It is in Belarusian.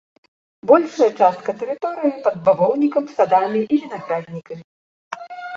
Большая частка тэрыторыі пад бавоўнікам, садамі і вінаграднікамі.